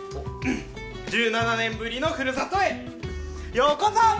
１７年ぶりのふるさとへようこそ！